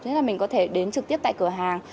thứ nhất là mình có thể đến trực tiếp tại cửa hàng